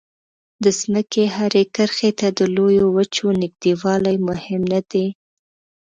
د ځمکې هرې کرښې ته د لویو وچو نږدېوالی مهم نه دی.